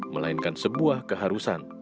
melainkan sebuah keharusan